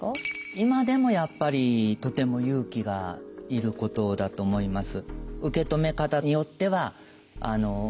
今でもやっぱりとても勇気がいることだと思います。